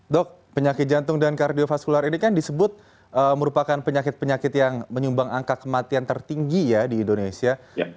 dok penyakit jantung dan kardiofaskular ini kan disebut merupakan penyakit penyakit yang menyumbang angka kematian tertinggi ya di indonesia